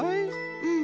うん。